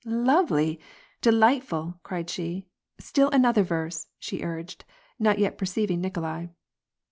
" Lovely ! delightful !" cried she. " Still another verse," she urged, not yet perceiving Nikolai.